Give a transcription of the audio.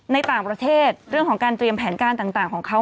ในต่างประเทศเรื่องของการเตรียมแผนการต่างของเขา